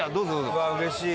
うわっうれしい！